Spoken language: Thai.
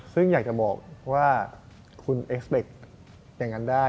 ซึ่งอยากจะบอกว่าคุณเอ็กซ์อย่างนั้นได้